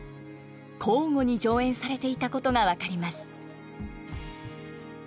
交互に上演されていたことが分かります。